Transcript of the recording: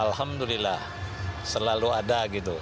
alhamdulillah selalu ada gitu